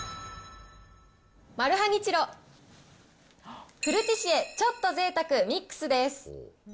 マルハニチロ、フルティシエちょっと贅沢ミックスです。